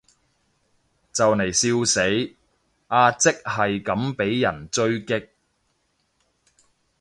就嚟笑死，阿即係咁被人狙擊